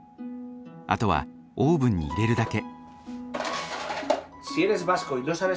あとはオーブンに入れるだけ。